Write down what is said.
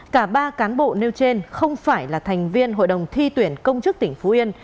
cả ba cán bộ nêu trên không phải là thành viên hội đồng thi tuyển công chức tỉnh phú yên